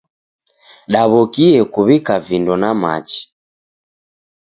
Daw'okie kuw'ika vindo na machi.